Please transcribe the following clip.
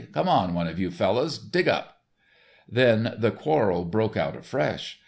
"Come on, one of you fellows dig up." Then the quarrel broke out afresh.